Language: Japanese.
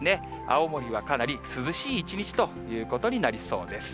青森はかなり涼しい一日ということになりそうです。